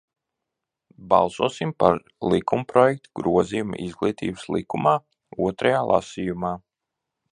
"Balsosim par likumprojektu "Grozījumi Izglītības likumā" otrajā lasījumā!"